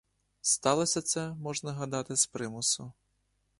Сталося це, можна гадати, з примусу.